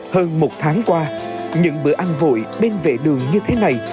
hơn một tháng qua những bữa ăn vội bên vệ đường như thế này